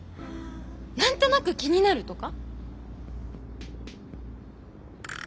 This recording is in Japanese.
何となく気になるとか？